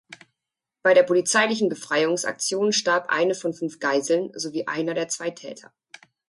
Bei der polizeilichen Befreiungsaktion starb eine von fünf Geiseln sowie einer der zwei Täter.